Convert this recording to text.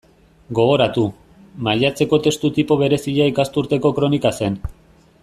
Gogoratu; maiatzeko testu tipo berezia ikasturteko kronika zen.